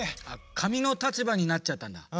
あっかみの立場になっちゃったんだ。